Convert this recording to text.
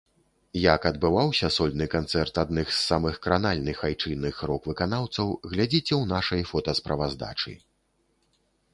Як адбываўся сольны канцэрт адных з самых кранальных айчынных рок-выканаўцаў глядзіце ў нашай фотасправаздачы.